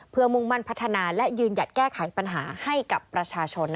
เพื่อมุ่งมั่นพัฒนาและยืนหยัดแก้ไขปัญหาให้กับประชาชน